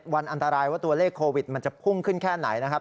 วันอันตรายว่าตัวเลขโควิดมันจะพุ่งขึ้นแค่ไหนนะครับ